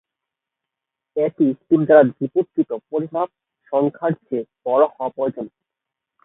এটি স্ট্রিম দ্বারা রিপোর্টকৃত "পরিমাণ" সংখ্যার চেয়ে বড় হওয়া প্রয়োজন।